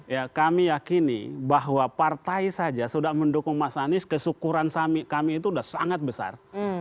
ya kami yakini bahwa partai saja sudah mendukung mas anies kesyukuran kami itu sudah sangat besar